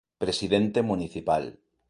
Presidente municipal